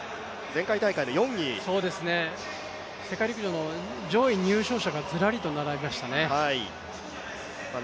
世界陸上の上位入賞者がずらりと並びましたね。